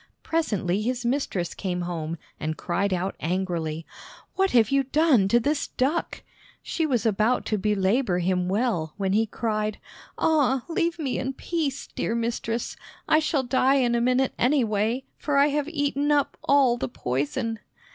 Presently his mistress came home and cried out angrily: "What have you done to this duck?" She was about to belabor him well, when he cried: "Ah, leave me in peace, dear mistress! I shall die in a minute, anyway, for I have eaten up all the poison!"